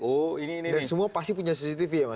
dan semua pasti punya cctv ya mas